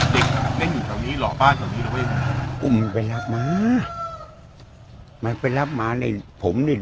เด็ก๑๒๑๓จากนั้นหายบ่อย